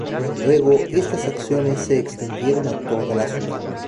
Luego, estas acciones se extendieron a toda la ciudad.